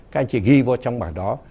các anh chị ghi vô trong bảng đó